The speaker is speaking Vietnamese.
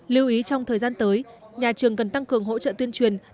lưu ý trong thời gian tới nhà trường cần tăng cường hỗ trợ tuyên truyền